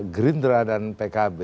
gerindra dan pkb